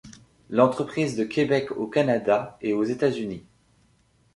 L’entreprise de Québec au Canada et aux États-Unis.